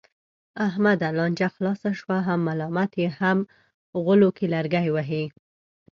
احمده! لانجه خلاصه شوه، هم ملامت یې هم غولو کې لرګی وهې.